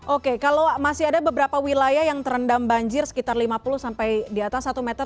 oke kalau masih ada beberapa wilayah yang terendam banjir sekitar lima puluh sampai di atas satu meter